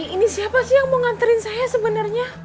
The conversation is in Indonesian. ini siapa sih yang mau nganterin saya sebenarnya